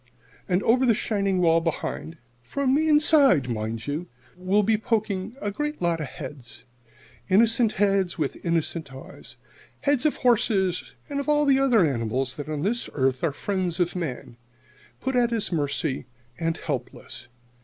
And over the shining wall behind from the inside, mind you will be poking a great lot of heads innocent heads with innocent eyes heads of horses and of all the other animals that on this earth are the friends of man, put at his mercy and helpless.